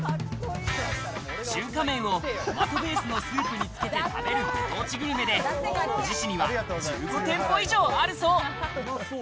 中華麺をトマトベースのスープにつけて食べるご当地グルメで、富士市には１５店舗以上あるそう。